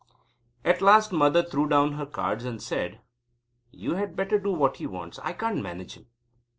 At last Mother threw down the cards and said: "You had better do what he wants. I can't manage him."